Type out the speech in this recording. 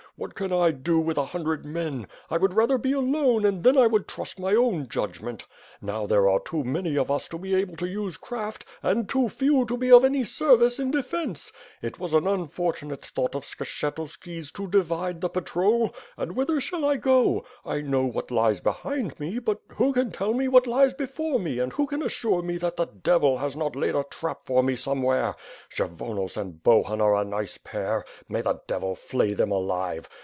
What can I do with a hundred men. I would rather be alone and then I would trust my own judgment. Now, there are too many of us to be able to use craft, and too few to be of any service in defence. It was an unfortunate thought of Skshetuski's, to divide the patrol. And whither shall I go? I know what lies behind me, but who can tell me what lies before me and who can assure me that the devil has not laid a trap for me somewhere. Kshyvonos and Bohun are a nice pair. May the devil flay them alive!